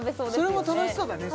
それも楽しそうだね